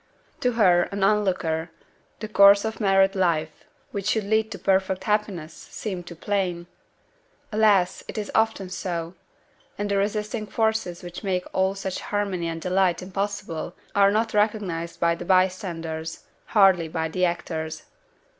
To her, an on looker, the course of married life, which should lead to perfect happiness, seemed to plain! Alas! it is often so! and the resisting forces which make all such harmony and delight impossible are not recognized by the bystanders, hardly by the actors.